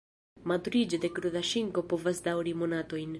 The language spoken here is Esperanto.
Maturiĝo de kruda ŝinko povas daŭri monatojn.